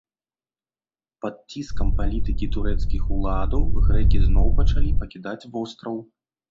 Пад ціскам палітыкі турэцкіх уладаў, грэкі зноў пачалі пакідаць востраў.